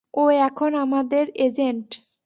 ও এখন আমাদের, এজেন্ট।